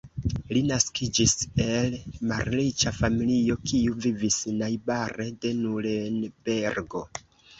Li naskiĝis el malriĉa familio kiu vivis najbare de Nurenbergo.